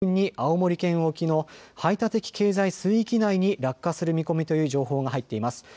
午後３時３５分に青森県沖の排他的経済水域内に落下する見込みという情報が入っています。